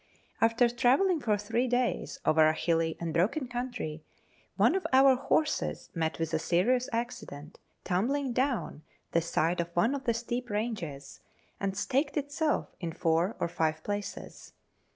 After travelling for three days over a hilly and broken country, one of our horses met with a serious accident, tumbling down the side of one of the steep ranges, and staked itself in four or five places.